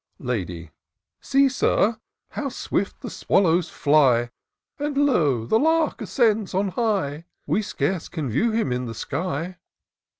Lady. " See, Sir, how swift the swallows fly ! And lo ! the lark ascends on high ; We scarce can view him in the sky.